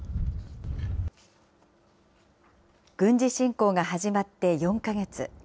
軍事侵攻が始まって４か月。